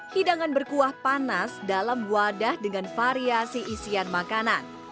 hidangan berkuah panas dalam wadah dengan variasi isian makanan